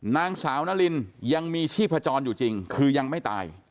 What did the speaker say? นางสาวนารินยังมีชีพจรอยู่จริงคือยังไม่ตาย